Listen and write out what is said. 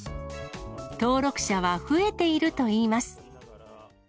登録者は増えているといいます。